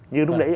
như lúc đấy